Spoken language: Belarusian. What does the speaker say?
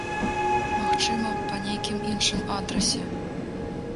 Магчыма, па нейкім іншым адрасе.